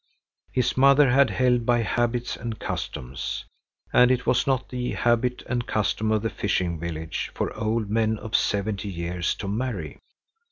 His mother had held by habits and customs. And it was not the habit and custom of the fishing village for old men of seventy years to marry.